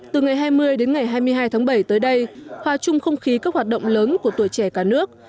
từ ngày hai mươi đến ngày hai mươi hai tháng bảy tới đây hòa chung không khí các hoạt động lớn của tuổi trẻ cả nước